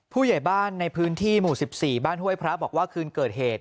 ผู้ใหญ่บ้านในพื้นที่หมู่๑๔บ้านห้วยพระบอกว่าคืนเกิดเหตุ